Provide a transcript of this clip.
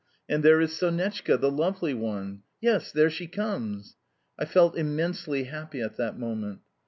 And there is Sonetchka, the lovely one! Yes, there she comes!" I felt immensely happy at that moment.